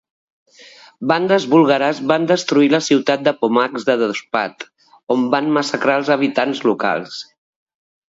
Bandes búlgares van destruir la ciutat de pomacs de Dospat on van massacrar els habitants locals.